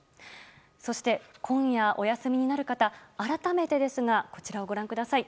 そして、今夜お休みになる方改めてですがこちらをご覧ください。